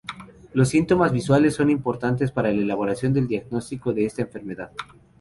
Los síntomas visuales son importantes para la elaboración del diagnóstico de esta enfermedad.